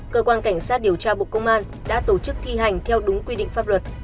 cơ quan cảnh sát điều tra bộ công an đã tổ chức thi hành theo đúng quy định pháp luật